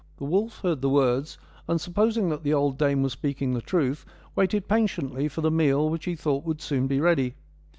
The wolf heard the words, and supposing that the old dame was speaking the truth, waited patiently for the meal which he thought would soon be ready.